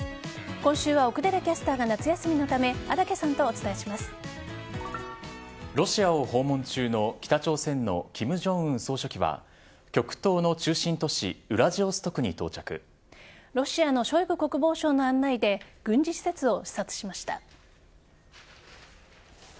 今週は奥寺キャスターが夏休みのためロシアを訪問中の北朝鮮の金正恩総書記は極東の中心都市ロシアのショイグ国防相の案内で軍事施設を視察しました。